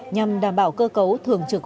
nhằm đảm bảo cơ cấu thường trực